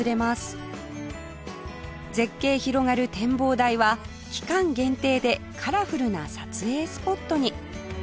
絶景広がる展望台は期間限定でカラフルな撮影スポットに